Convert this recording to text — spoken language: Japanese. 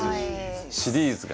シリーズが。